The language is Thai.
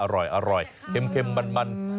อร่อยเค็มมัน